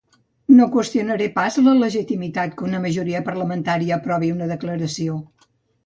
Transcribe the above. No qüestionaré pas la legitimitat que una majoria parlamentària aprovi una declaració.